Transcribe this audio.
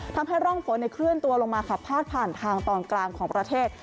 ทำให้ร่องฝนเคลื่อนตัวลงมาขับพาดผ่านทางตอนกลางของประเทศ